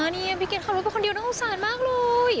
นี่พี่เกษตร์เขารู้เป็นคนเดียวน่าอุตส่าห์มากเลย